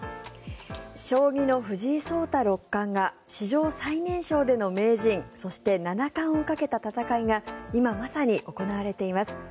将棋の藤井聡太六冠が史上最年少での名人そして七冠をかけた戦いが今まさに行われています。